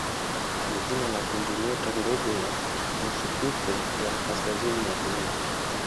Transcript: ni jina la kundinyota ndogo ya nusutufe ya kaskazini ya Dunia.